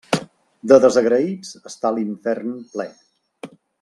De desagraïts està l'infern ple.